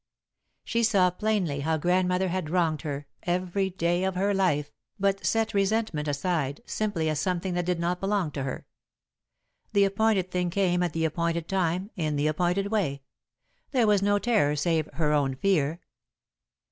She saw plainly how Grandmother had wronged her, every day of her life, but set resentment aside, simply, as something that did not belong to her. The appointed thing came at the appointed time in the appointed way there was no terror save her own fear.